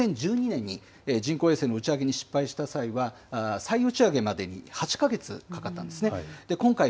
北朝鮮が２０１２年に人工衛星の打ち上げに失敗した際は、再打ち上げまでに８か月かかったんですね。